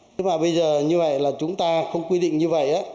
thế mà bây giờ như vậy là chúng ta không quy định như vậy